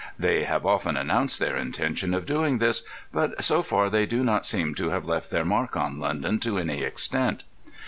They have often announced their intention of doing this, but so far they do not seem to have left their mark on London to any extent.